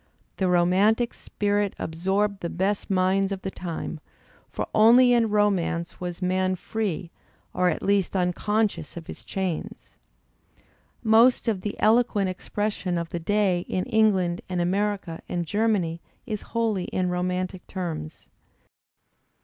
T^e ^ y romantic spirit absorbed the best minds of the time, for only /^ in romance was man free or at least unconscious of his chains^/ Most of the eloquent expression of the day in England and America and Germany is wholly in romantic terms.